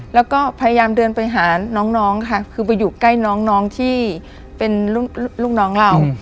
แล้วก็พยายามเดินไปหาน้องค่ะคือไปอยู่ใกล้น้องที่เป็นลูกน้องเรา